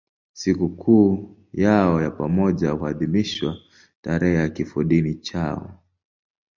Sikukuu yao ya pamoja huadhimishwa tarehe ya kifodini chao.